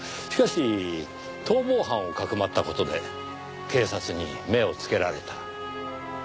しかし逃亡犯をかくまった事で警察に目をつけられた。